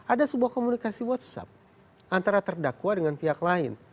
ada sebuah komunikasi whatsapp antara terdakwa dengan pihak lain